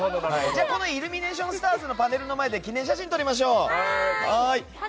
このイルミネーションスターズのパネルの前で記念写真撮りましょう。